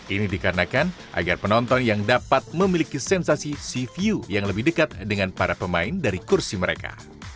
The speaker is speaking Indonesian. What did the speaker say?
ini dikarenakan agar penonton yang dapat memiliki sensasi sea view yang lebih dekat dengan para pemain dari kursi mereka